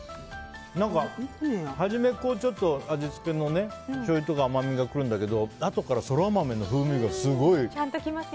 何か、初め味付けのしょうゆとか甘みが来るんだけどあとからソラマメの風味がすごい。